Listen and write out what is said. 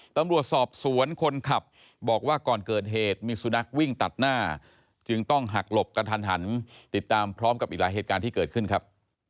ตำรวจสอบสวนคนขับบอกว่าก่อนเกิดเหตุมีสุนัขวิ่งตัดหน้าจึงต้องหักหลบกระทันหันติดตามพร้อมกับอีกหลายเหตุการณ์ที่เกิดขึ้นครับ